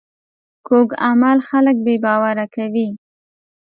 کوږ عمل خلک بې باوره کوي